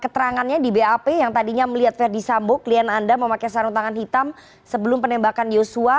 keterangannya di bap yang tadinya melihat verdi sambo klien anda memakai sarung tangan hitam sebelum penembakan yosua